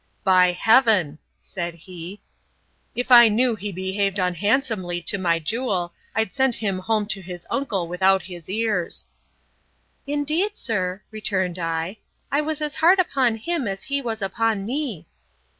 By Heaven! said he, if I knew he behaved unhandsomely to my jewel, I'd send him home to his uncle without his ears. Indeed, sir, returned I, I was as hard upon him as he was upon me.